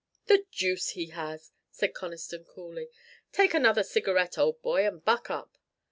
"The deuce he has," said Conniston coolly. "Take another cigarette, old boy, and buck up.